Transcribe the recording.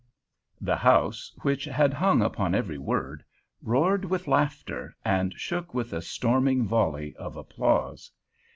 The house, which had hung upon every word, roared with laughter, and shook with a storming volley of applause.